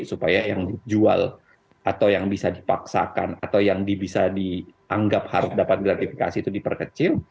supaya yang dijual atau yang bisa dipaksakan atau yang bisa dianggap harus dapat gratifikasi itu diperkecil